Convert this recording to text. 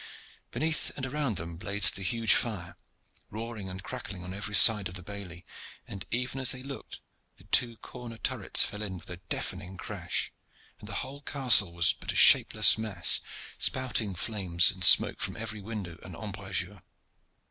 Beneath and around them blazed the huge fire, roaring and crackling on every side of the bailey, and even as they looked the two corner turrets fell in with a deafening crash, and the whole castle was but a shapeless mass, spouting flames and smoke from every window and embrasure.